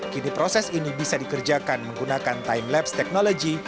kini proses ini bisa dikerjakan menggunakan time labs technology